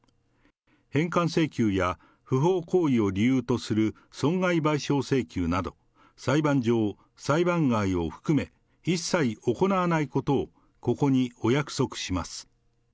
返還請求や不法行為を理由とする損害賠償請求など、裁判上、裁判外を含め、一切行わないことをここにお約束します。